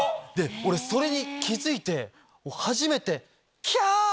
俺それに気付いて初めて。